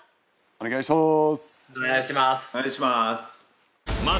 お願いします。